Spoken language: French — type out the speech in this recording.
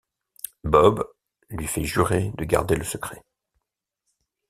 Bob lui fait jurer de garder le secret.